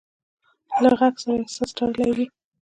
له غږ سره احساس تړلی وي.